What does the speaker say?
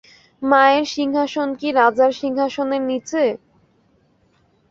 মায়ের সিংহাসন কি রাজার সিংহাসনের নীচে?